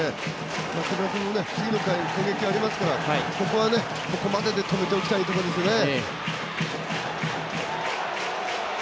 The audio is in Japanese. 木村君も、次の回攻撃ありますからここは、ここまでで止めておきたいところですね。